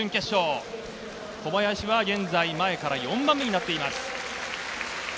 小林は現在前から４番目になっています。